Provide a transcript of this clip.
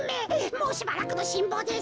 もうしばらくのしんぼうです。